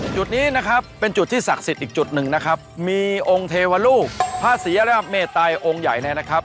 จุดนี้นะครับเป็นจุดที่ศักดิ์สิทธิ์อีกจุดหนึ่งนะครับมีองค์เทวรูปพระศรีอร่ำเมตัยองค์ใหญ่เนี่ยนะครับ